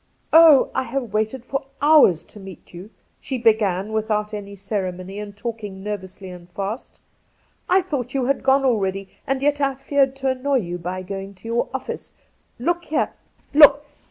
' Oh, I have waited for hours to meet you !' she began without any ceremony, and talking nervously and fast. ' I thought you had gone already, and yet I feared to annoy you by going to your office. Look here — look